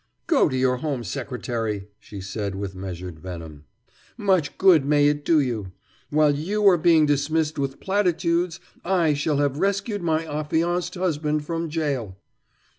"Go to your Home Secretary," she said with measured venom. "Much good may it do you! While you are being dismissed with platitudes I shall have rescued my affianced husband from jail."